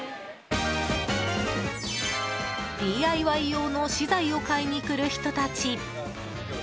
ＤＩＹ用の資材を買いに来る人たち。